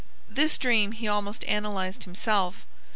This dream he almost analyzed himself.